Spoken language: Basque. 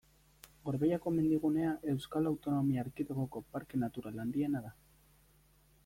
Gorbeiako mendigunea Euskal Autonomia Erkidegoko parke natural handiena da.